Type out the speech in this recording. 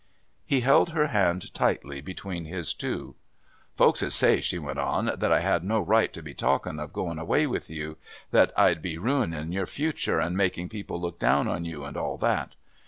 He held her hand tightly between his two. "Folks 'ud say," she went on, "that I had no right to be talkin' of going away with you that I'd be ruining your future and making people look down on you, and all that.